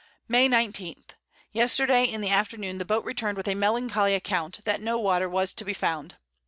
May 19. Yesterday in the Afternoon the Boat return'd with a melancholy Account, that no Water was to be found.